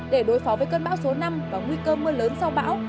để đối phó với cơn bão số năm và nguy cơ mưa lớn sau bão